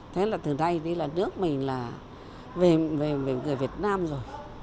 thế là từ nay đi là nước mình là về người việt nam rồi